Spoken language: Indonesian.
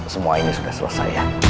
semua ini sudah selesai ya